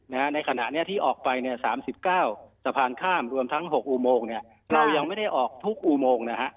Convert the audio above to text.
ในขณะที่ออกไป๓๙สะพานข้ามรวมทั้ง๖อูโมงเรายังไม่ได้ออกทุกอูโมง